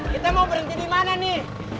kita mau berhenti di mana nih